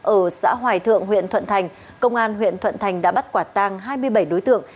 ở xã hoài thượng huyện thuận thành công an huyện thuận thành đã bắt quả tang hai mươi bảy đối tượng